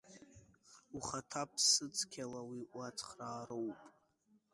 Ухаҭа ԥсыцқьала уи уацхраароуп.